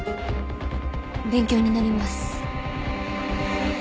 勉強になります。